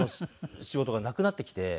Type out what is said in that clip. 仕事がなくなってきて。